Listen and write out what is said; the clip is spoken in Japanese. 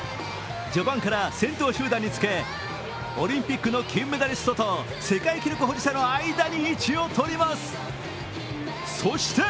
序盤から先頭集団につけオリンピック金メダリストと世界記録保持者の間に位置を取ります。